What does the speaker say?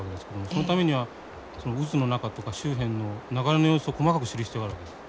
そのためには渦の中とか周辺の流れの様子を細かく知る必要があるわけです。